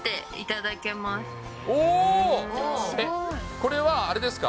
これはあれですか？